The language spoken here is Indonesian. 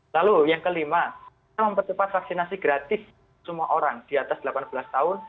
lalu yang kelima kita mempercepat vaksinasi gratis semua orang di atas delapan belas tahun